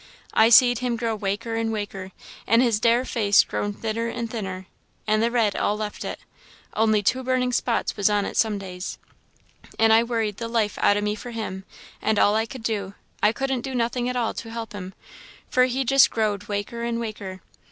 "I seed him grow waker and waker, an' his dair face grown thinner and thinner, and the red all left it, only two burning spots was on it some days; an' I worried the life out o' me for him, an' all I could do, I couldn't do nothing at all to help him, for he just growed waker an' waker.